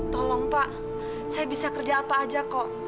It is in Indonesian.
tolong pak saya bisa kerja apa aja kok